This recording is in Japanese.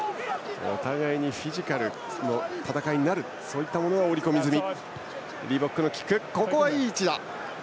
お互い、フィジカルの戦いになるそういったものは織り込み済み。